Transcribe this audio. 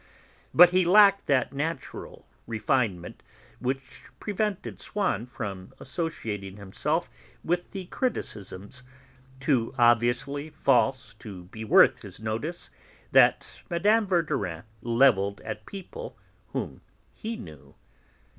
But he lacked that natural refinement which prevented Swann from associating himself with the criticisms (too obviously false to be worth his notice) that Mme. Verdurin levelled at people whom he knew.